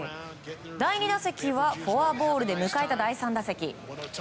第２打席はフォアボールで迎えた第３打席。